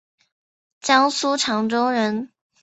江苏长洲人。